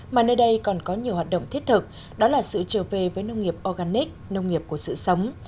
mà nơi đây còn có nhiều hoạt động thiết thực đó là sự trở về với nông nghiệp organic nông nghiệp của sự sống